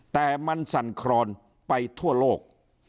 แต่มันสั่นครอนไปทั่วโลก